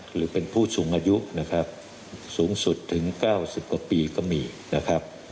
หรือเป็นผู้สูงอายุนะครับสูงสุดถึง๙๐กว่าปีก็มีนะครับ